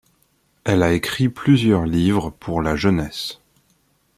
Elle a écrit plusieurs livres pour la jeunesse.